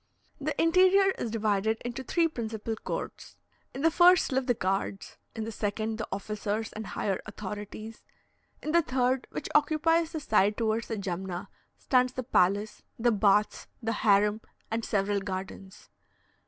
The interior is divided into three principal courts. In the first live the guards; in the second, the officers and higher authorities; in the third, which occupies the side towards the Jumna, stands the palace, the baths, the harem, and several gardens.